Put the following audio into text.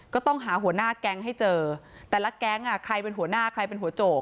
ก็ต้องหาหัวหน้าแก๊งให้เจอแต่ละแก๊งใครเป็นหัวหน้าใครเป็นหัวโจก